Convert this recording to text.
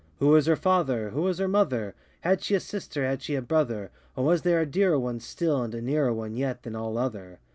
Who was her father? Who was her mother? Had she a sister? Had she a brother? Or was there a dearer one Still, and a nearer one Yet, than all other?